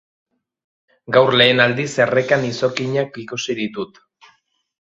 Gaur lehen aldiz errekan izokinak ikusi ditut.